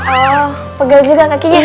oh pegel juga kakinya